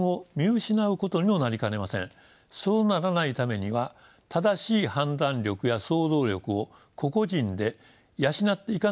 そうならないためには正しい判断力や想像力を個々人で養っていかなければなりません。